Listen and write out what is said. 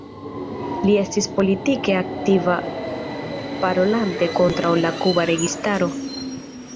Li estis politike aktiva parolante kontraŭ la kuba registaro.